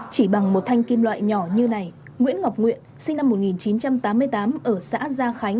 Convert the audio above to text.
chỉ bằng một thanh kim loại nhỏ như này nguyễn ngọc nguyện sinh năm một nghìn chín trăm tám mươi tám ở xã gia khánh